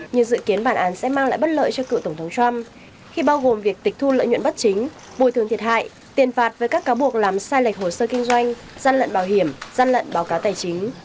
nhưng dự kiến bản án sẽ mang lại bất lợi cho cựu tổng thống trump khi bao gồm việc tịch thu lợi nhuận bất chính bồi thường thiệt hại tiền phạt với các cáo buộc làm sai lệch hồ sơ kinh doanh gian lận bảo hiểm gian lận báo cáo tài chính